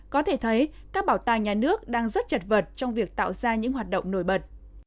có thể thấy các bảo tàng nhà nước đang rất chật vật trong việc tạo ra những hoạt động nổi bật